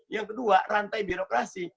yang kedua rantai birokrasi